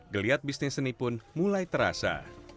geliat bisnis seni pun mulai terasa